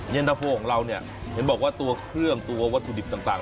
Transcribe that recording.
เย็นตะโฟของเราเนี่ยเห็นบอกว่าตัวเครื่องตัววัตถุดิบต่าง